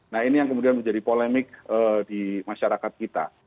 nah ini yang kemudian menjadi polemik di masyarakat kita